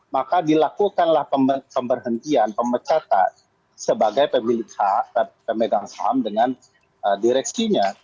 maka dilakukanlah pemberhentian pemecatan sebagai pemilik pemegang saham dengan direksinya